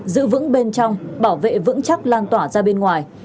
giữ vững bên trong bảo vệ vững chắc lan tỏa ra bên ngoài